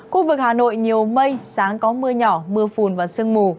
khu vực hà nội nhiều mây sáng có mưa nhỏ mưa phùn và sương mù